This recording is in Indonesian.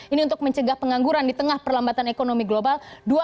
ini untuk mencegah pengangguran di tengah perlambatan ekonomi global